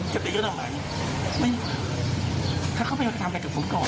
จะทำอะไรถ้าเขาไม่เห็นจะทำอะไรกับผมก่อน